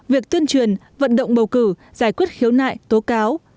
việc tuyên truyền vận động bầu cử giải quyết khiếu nại tố cáo